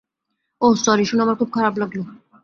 ওহ sorry, শুনে আমার খুব খারাপ লাগলো।